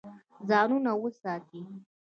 ځانونه وساتئ.